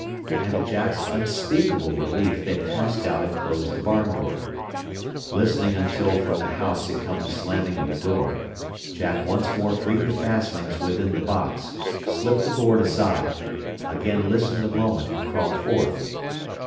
And to Jack's unspeakable relief they passed out and closed the barn door. Listening until from the house had come the slamming of a door, Jack once more freed the fastenings within the box, slipped the board aside, again listened a moment, and crawled forth.